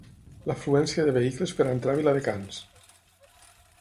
L'afluència de vehicles per entrar a Viladecans.